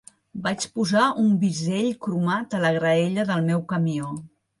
Vaig posar un bisell cromat a la graella del meu camió.